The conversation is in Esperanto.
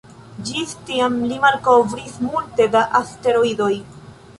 Ĝis tiam li malkovris multe da asteroidoj.